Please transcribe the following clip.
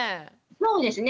そうですね。